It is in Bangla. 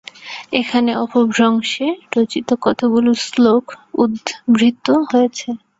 এখানে অপভ্রংশে রচিত কতগুলি শ্লোক উদ্ধৃত হয়েছে।